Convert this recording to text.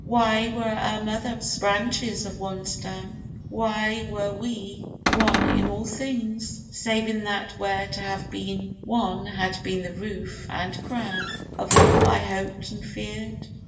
Why were our mothers branches of one stem? Why were we one in all things, save in that Where to have been one had been the roof and crown Of all I hoped and fear'd?